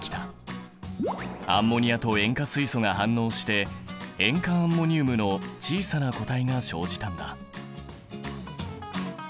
アンモニアと塩化水素が反応して塩化アンモニウムの小さな固体が生じたんだ。